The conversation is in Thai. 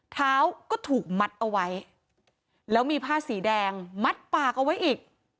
เท้าก็ถูกมัดเอาไว้แล้วมีผ้าสีแดงมัดปากเอาไว้อีก